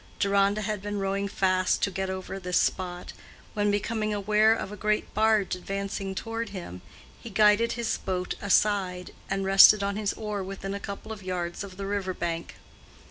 Deronda had been rowing fast to get over this spot, when, becoming aware of a great barge advancing toward him, he guided his boat aside, and rested on his oar within a couple of yards of the river brink.